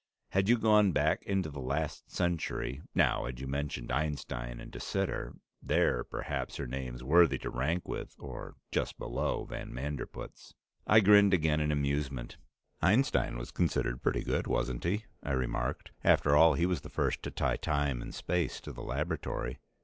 Had you gone back into the last century, now had you mentioned Einstein and de Sitter there, perhaps, are names worthy to rank with (or just below) van Manderpootz!" I grinned again in amusement. "Einstein was considered pretty good, wasn't he?" I remarked. "After all, he was the first to tie time and space to the laboratory.